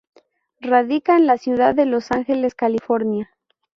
Radica en la ciudad de Los Ángeles, California.